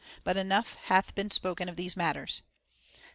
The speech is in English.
But enough hath been spoken of these matters.